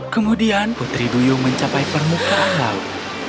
kemudian putri duyung mencapai permukaan laut